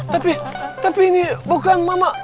tapi tapi ini bukan mama